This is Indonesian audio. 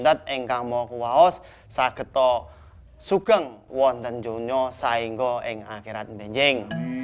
kami ingin berdoa untuk kemantan yang diperlukan